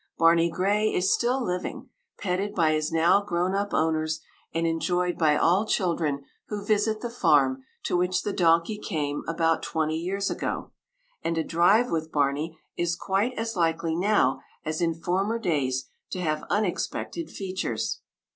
Barney Gray is still living, petted by his now grown up owners and enjoyed by all children who visit the farm to which the donkey came about twenty years ago, and a drive with Barney is quite as likely now as in former days to have unexpected features.